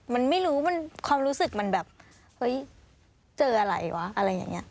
มันไม่รู้มันความรู้สึกมันแบบเฮ้ยเจออะไรวะอะไรอย่างนี้